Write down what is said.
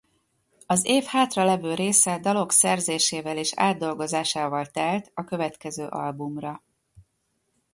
Az év hátralevő része dalok szerzésével és átdolgozásával telt a következő albumra.